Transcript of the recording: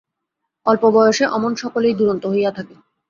অল্প বয়সে অমন সকলেই দুরন্ত হইয়া থাকে।